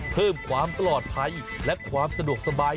เพิ่มความปลอดภัยและความสะดวกสบาย